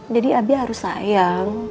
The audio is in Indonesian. jadi abi harus sayang